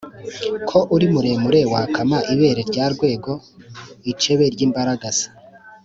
Ko uri muremure wakama ibere rya Rwego ?-Icebe ry'imbaragasa.